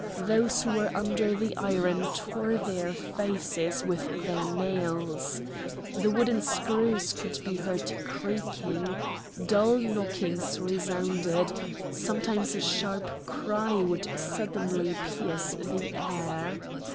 Those who were under the iron tore their faces with their nails. The wooden screws could be heard creaking; dull knockings resounded; sometimes a sharp cry would suddenly pierce the air.